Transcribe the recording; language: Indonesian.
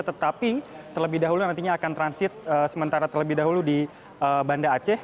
tetapi terlebih dahulu nantinya akan transit sementara terlebih dahulu di banda aceh